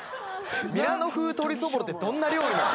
ミラノ風鶏そぼろってどんな料理なの？